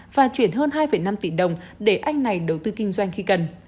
và chuyển hơn hai năm tỷ đồng để anh này đầu tư kinh doanh khi cần